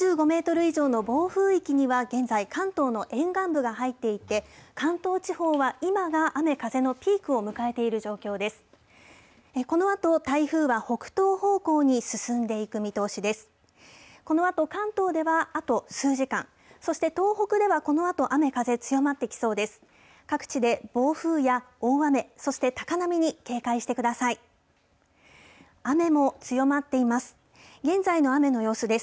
このあと関東ではあと数時間、そして東北では、このあと雨風強まってきそうです。